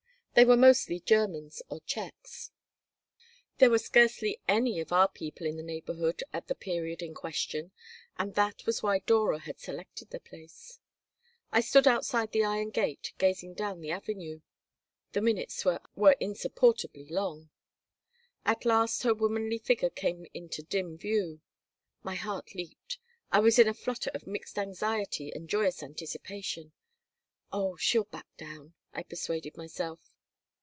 They were mostly Germans or Czechs. There were scarcely any of our people in the neighborhood at the period in question, and that was why Dora had selected the place I stood outside the iron gate, gazing down the avenue. The minutes were insupportably long. At last her womanly figure came into dim view. My heart leaped. I was in a flutter of mixed anxiety and joyous anticipation. "Oh, she'll back down," I persuaded myself.